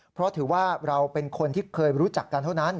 เพราะถือว่าเราเป็นคนที่เคยรู้จักกันเท่านั้น